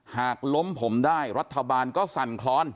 หากล้มผมได้รัฐบาลก็สั่นคลอน